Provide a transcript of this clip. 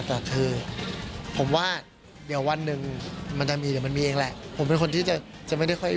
แต่คือผมว่าเดี๋ยววันหนึ่งมันจะมีเดี๋ยวมันมีเองแหละผมเป็นคนที่จะจะไม่ได้ค่อย